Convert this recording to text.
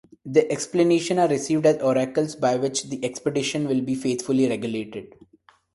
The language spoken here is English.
Their explanations are received as oracles by which the expedition will be faithfully regulated.